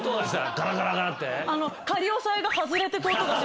ガラガラガラって？